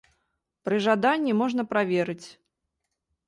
Пры жаданні можна праверыць.